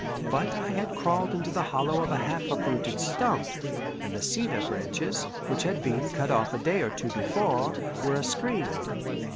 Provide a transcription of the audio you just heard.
But I had crawled into the hollow of a half uprooted stump, and the cedar branches, which had been cut off a day or two before, were a screen.